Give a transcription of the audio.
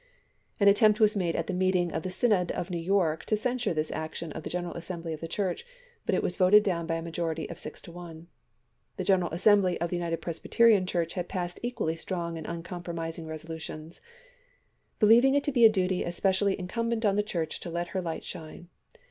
An attempt was made at the meeting of the Synod of New York to censure this action of the General Assembly of the Church, but it was voted down by a majority of six to one. The General Assembly of the United Presbyterian Church had passed equally strong and uncompromising resolutions :" Believing it to be a duty especially incumbent on the Church to let her hght shine